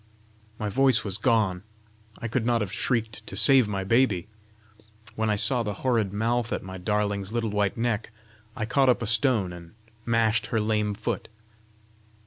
"My voice was gone; I could not have shrieked to save my baby! When I saw the horrid mouth at my darling's little white neck, I caught up a stone and mashed her lame foot."